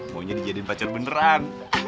maunya dijadiin pacar beneran